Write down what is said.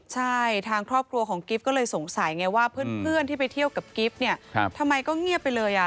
ใช่ทางครอบครัวของกิ๊บก็เลยสงสัยไงว่าเพื่อนที่ไปเที่ยวกับกิฟต์เนี่ยทำไมก็เงียบไปเลยอ่ะ